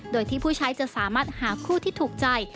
โดยที่ผู้ใช้จะสามารถหาคู่ที่ถูกใจ